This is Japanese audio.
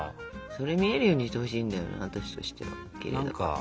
それ見えるようにしてほしいんだよな私としては。